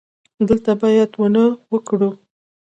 دلته باید ونه وکرو